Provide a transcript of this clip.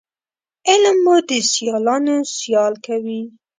علم مو د سیالانو سیال کوي